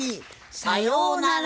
さようなら！